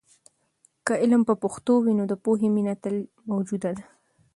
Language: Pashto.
که علم په پښتو وي، نو د پوهې مینه تل موجوده ده.